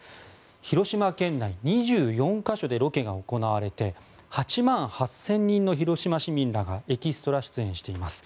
広島県内２４か所でロケが行われて８万８０００人の広島市民らがエキストラ出演しています。